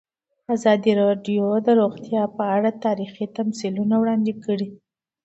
ازادي راډیو د روغتیا په اړه تاریخي تمثیلونه وړاندې کړي.